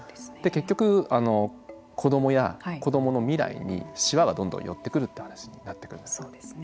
結局、子どもや子どもの未来にしわがどんどん寄ってくるという話になってくるんです。